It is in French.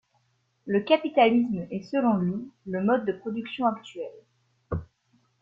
Le capitalisme est selon lui le mode de production actuel.